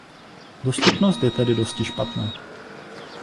Dostupnost je tedy dosti špatná.